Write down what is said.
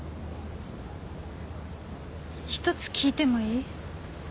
１つ聞いてもいい？